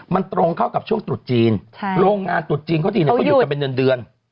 มันตรงเข้ากับช่วงตรุษจีนโรงงานตรุษจีนเขาจีนเขาหยุดกันเป็นเดือน